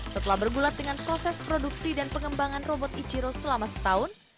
setelah bergulat dengan proses produksi dan pengembangan robot ichiro selama setahun